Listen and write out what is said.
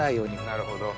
なるほど。